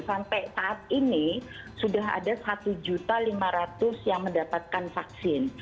sampai saat ini sudah ada satu lima ratus yang mendapatkan vaksin